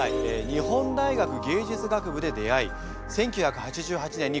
日本大学芸術学部で出会い１９８８年にコンビ結成。